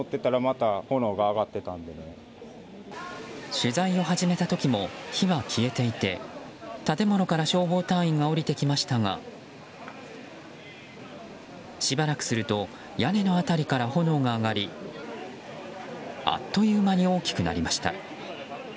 取材を始めた時も火は消えていて建物から消防隊員が下りてきましたがしばらくすると屋根の辺りから炎が上がりあっという間に大きくなりました。